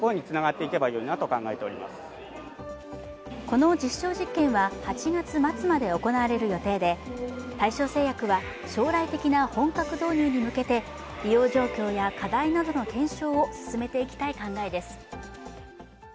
この実証実験は８月末まで行われる予定で大正製薬は将来的な本格導入に向けて利用状況や課題などの検証を進めていきたい考えです。